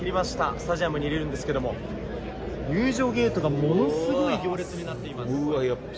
スタジアムにいるんですけれども、入場ゲートがものすごい行列になっています。